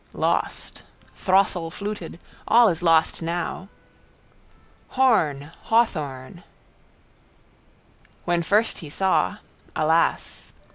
Lost. Throstle fluted. All is lost now. Horn. Hawhorn. When first he saw. Alas!